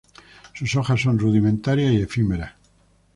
Sus hojas son rudimentarias y efímeras.